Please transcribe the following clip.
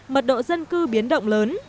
mật độ dân cư biến động lớn